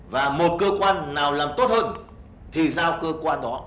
và một cơ quan nào làm tốt hơn thì giao cơ quan đó